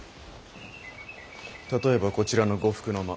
例えばこちらの呉服の間。